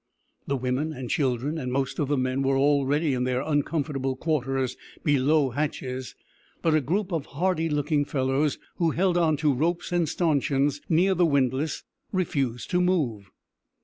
The women and children and most of the men were already in their uncomfortable quarters below hatches, but a group of hardy looking fellows, who held on to ropes and stanchions near the windlass, refused to move.